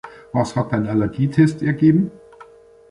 Was hat dein Allergietest ergeben?